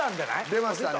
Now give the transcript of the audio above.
出ましたね。